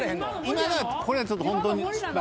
［今のはこれはちょっとほんとに失敗］